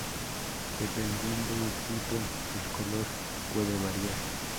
Dependiendo del tipo, el color puede variar.